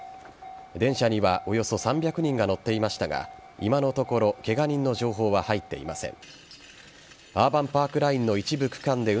電車にはおよそ３００人が乗っていましたが今のところケガ人の情報は入っていません。